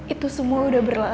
itu semua udah berlalu kak